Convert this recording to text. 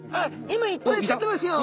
今いっぱい映ってますよ！